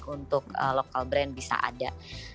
untuk brand lokal bisa ada